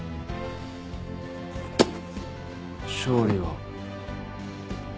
勝利は。